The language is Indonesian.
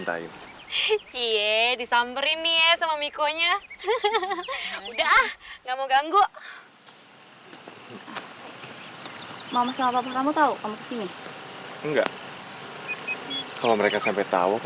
terima kasih pak